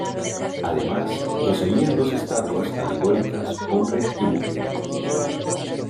Además, poseían dos estatuas alegóricas, hombre y mujer.